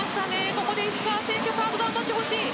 ここで石川選手サーブ頑張ってほしい！